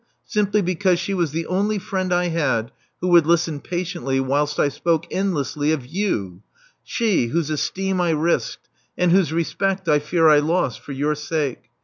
Simply because she was the only friend I had who would listen patiently whilst I spoke endlessly of you — she, whose esteem I risked, and whose respect I fear I lost, for your sake.